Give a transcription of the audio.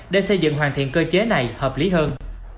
để xây dựng hoàn thiện cơ chế này hợp lý hơn